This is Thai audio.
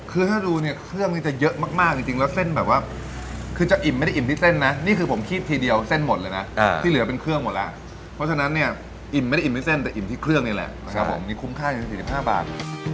คือถ้าดูเนี่ยเครื่องนี้จะเยอะมากจริงแล้วเส้นแบบว่าคือจะอิ่มไม่ได้อิ่มที่เส้นนะนี่คือผมคิดทีเดียวเส้นหมดเลยนะที่เหลือเป็นเครื่องหมดแล้วเพราะฉะนั้นเนี่ยอิ่มไม่ได้อิ่มที่เส้นแต่อิ่มที่เครื่องนี่แหละนะครับผมนี่คุ้มค่าอยู่ที่๔๕บาท